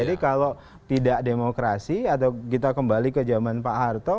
jadi kalau tidak demokrasi atau kita kembali ke zaman pak harto